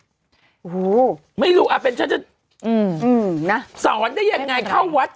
โอ้โหไม่รู้อ่ะเป็นฉันจะอืมนะสอนได้ยังไงเข้าวัด